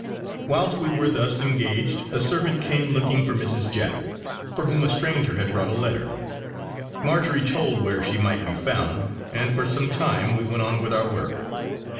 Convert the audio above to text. Whilst we were thus engaged a servant came looking for Mrs. Jack, for whom a stranger had brought a letter. Marjory told where she might be found, and for some time we went on with our work.